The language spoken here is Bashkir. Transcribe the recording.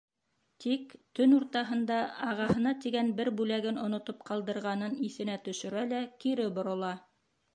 Тик төн уртаһында ағаһына тигән бер бүләген онотоп ҡалдырғанын иҫенә төшөрә лә кире борола.